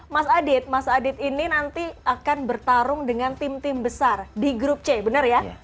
mas adit mas adit ini nanti akan bertarung dengan tim tim besar di grup c benar ya